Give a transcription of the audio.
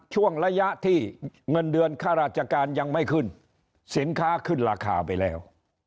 ช่วงระยะที่เงินเดือนค่าราชการยังไม่ขึ้นสินค้าขึ้นราคาไปแล้ว